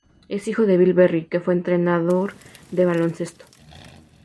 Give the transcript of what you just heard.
Es el hijo de Bill Berry, que fue entrenador de baloncesto.